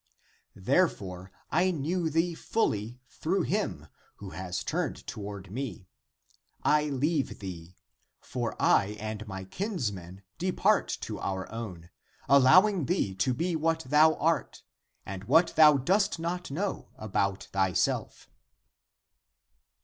> Therefore I knew thee fully through him, who has turned toward me. I leave thee. For I and my kinsmen depart to our own, allowing thee to be what thou art, and what thou dost not know about thyself."